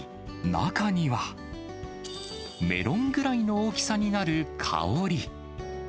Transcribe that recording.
中には、メロンぐらいの大きさになる、かおり。